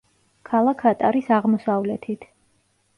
ქალაქ ატარის აღმოსავლეთით.